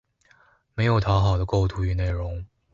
没有讨好的构图与内容